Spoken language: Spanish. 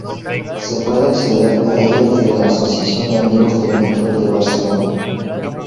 Se puede acceder a ella desde la Asociación de Amigos del Metro de Barcelona.